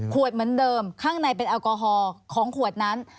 เหมือนเดิมข้างในเป็นแอลกอฮอล์ของขวดนั้น